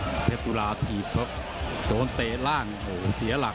เพชรจุราถีบโดนเตะร่างเสียหลัก